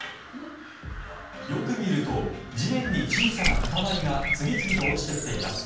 よく見ると地面に小さな塊が次々と落ちてきています。